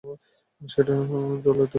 আর সেটা নিয়ে জল এতদূর গড়ায়।